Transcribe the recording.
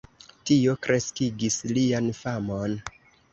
Tio kreskigis lian famon.